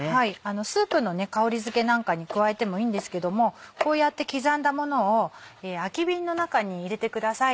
スープの香りづけなんかに加えてもいいんですけどもこうやって刻んだものを空き瓶の中に入れてください。